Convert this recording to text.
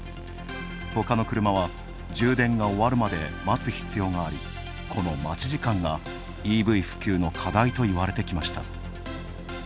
ほかの車は充電が終わるまで待つ必要があり、この待ち時間が、ＥＶ普及の課題といわれてきました。